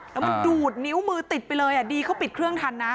แล้วมันดูดนิ้วมือติดไปเลยดีเขาปิดเครื่องทันนะ